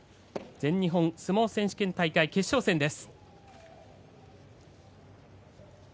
全日本相撲選手権大会決勝戦です。